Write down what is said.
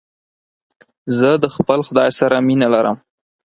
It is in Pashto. زه د خپل خداى سره مينه لرم.